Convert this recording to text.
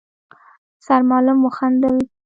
سرمعلم وخندل: